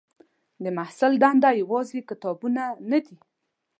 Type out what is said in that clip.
د محصل دنده یوازې کتابونه نه دي.